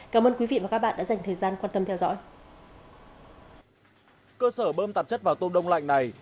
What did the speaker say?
cơ sở bơm tạp chất vào tôm đông lạnh này